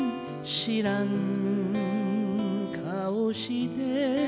「知らん顔して」